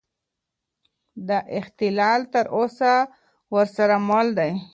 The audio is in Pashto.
دا اختلال تر اوسه ورسره مل دی.